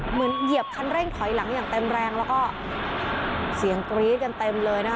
เหยียบคันเร่งถอยหลังอย่างเต็มแรงแล้วก็เสียงกรี๊ดกันเต็มเลยนะคะ